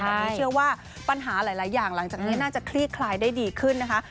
ตอนนี้เชื่อว่าปัญหาหลายอย่างหลังจากนี้น่าจะคลี่คลายได้ดีขึ้นนะคะ